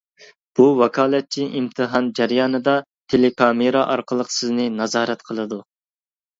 بۇ ۋاكالەتچى ئىمتىھان جەريانىدا تېلېكامېرا ئارقىلىق سىزنى نازارەت قىلىدۇ.